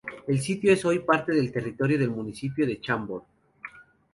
El sitio es hoy parte del territorio del municipio de Chambord.